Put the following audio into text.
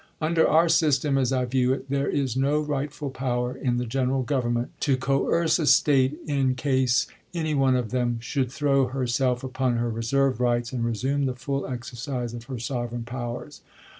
Under our system, as I view it, there is no rightful power in the general Government to coerce a State in case any one of them should throw herself upon her re served rights, and resume the full exercise of her sover eign powers.